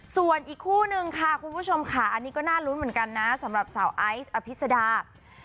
ส่วนอีกคู่นึงค่ะคุณผู้ชมค่ะอันนี้ก็น่ารุ้นเหมือนกันนะสำหรับสาวไอซ์อภิษดา